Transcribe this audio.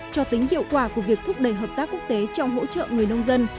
cho tính hiệu quả của việc thúc đẩy hợp tác quốc tế trong hỗ trợ người nông dân